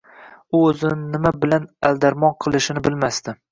U o’zini nima bilan andarmon qilishini bilmasdi.